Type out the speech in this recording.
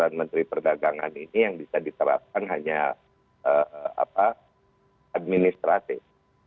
jadi saya berpikir bahwa ini adalah hal yang bisa diterapkan hanya administratif